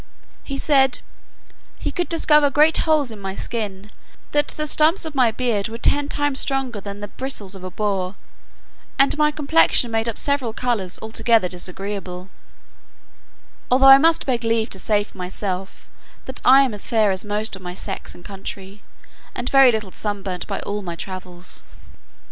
He said, "he could discover great holes in my skin; that the stumps of my beard were ten times stronger than the bristles of a boar, and my complexion made up of several colours altogether disagreeable:" although I must beg leave to say for myself, that I am as fair as most of my sex and country, and very little sunburnt by all my travels.